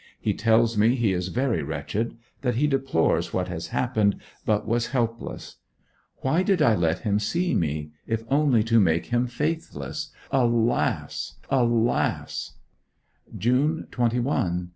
He tells me he is very wretched; that he deplores what has happened, but was helpless. Why did I let him see me, if only to make him faithless. Alas, alas! June 21 .